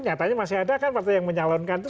nyatanya masih ada kan partai yang menyalonkan itu